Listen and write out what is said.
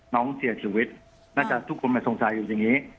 น้องเสียชีวิตน่าจะทุกคนไม่สงสัยอยู่อย่างนี้